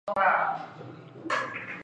有晚唐诗意味。